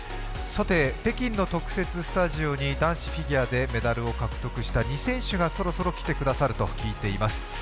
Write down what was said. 北京の特設スタジオに男子フィギュアでメダルを獲得した２選手がそろそろ来てくださると聞いています。